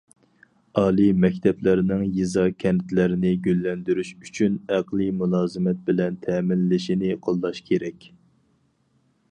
ئالىي مەكتەپلەرنىڭ يېزا- كەنتلەرنى گۈللەندۈرۈش ئۈچۈن ئەقلىي مۇلازىمەت بىلەن تەمىنلىشىنى قوللاش كېرەك.